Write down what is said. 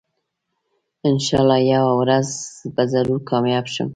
انشاالله یوه ورځ به ضرور کامیاب شم